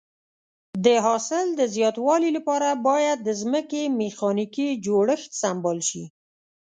د حاصل د زیاتوالي لپاره باید د ځمکې میخانیکي جوړښت سمبال شي.